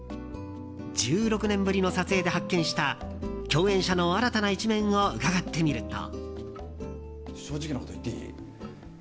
１６年ぶりの撮影で発見した共演者の新たな一面を伺ってみると。